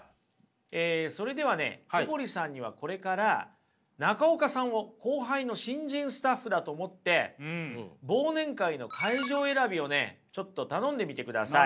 えそれではね小堀さんにはこれから中岡さんを後輩の新人スタッフだと思って忘年会の会場選びをねちょっと頼んでみてください。